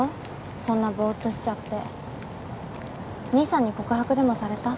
そんなボーッとしちゃって兄さんに告白でもされた？